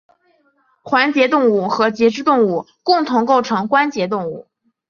环节动物和节肢动物共同构成关节动物。